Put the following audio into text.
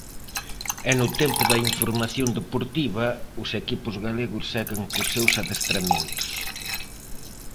E no tempo da información deportiva, os equipos galegos seguen cos seus adestramentos...